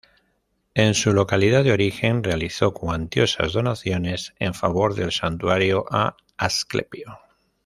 En su localidad de origen, realizó cuantiosas donaciones en favor del santuario a Asclepio.